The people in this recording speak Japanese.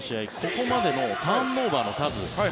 ここまでのターンオーバーの数